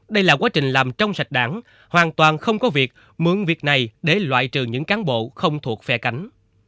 đây là quá trình làm trong sạch đảng hoàn toàn không có việc mượn việc này để loại trừ những cán bộ không thuộc phe cánh